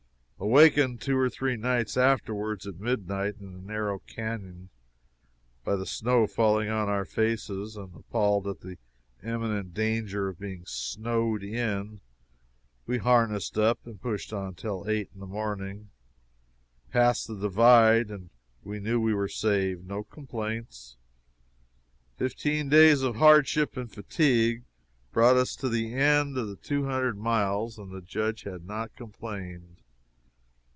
Awakened two or three nights afterward at midnight, in a narrow canon, by the snow falling on our faces, and appalled at the imminent danger of being "snowed in," we harnessed up and pushed on till eight in the morning, passed the "Divide" and knew we were saved. No complaints. Fifteen days of hardship and fatigue brought us to the end of the two hundred miles, and the Judge had not complained.